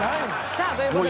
さあという事で。